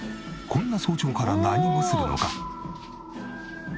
こんな早朝から何をするのか？